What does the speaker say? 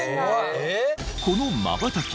このまばたき